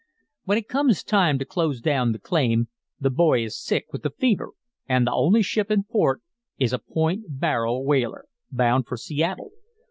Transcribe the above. "When it comes time to close down the claim, the boy is sick with the fever an' the only ship in port is a Point Barrow whaler, bound for Seattle.